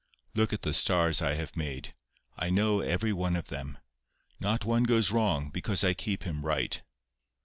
Look at the stars I have made. I know every one of them. Not one goes wrong, because I keep him right.